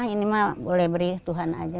ini mah boleh beri tuhan aja